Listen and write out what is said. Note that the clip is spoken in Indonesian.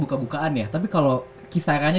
buka bukaan ya tapi kalau kisarannya